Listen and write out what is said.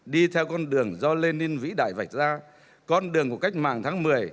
đi theo con đường do lenin vĩ đại vạch ra con đường của cách mạng tháng một mươi